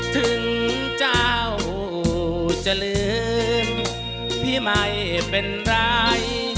ถึงเจ้าจะลืนพี่ไม่เป็นไร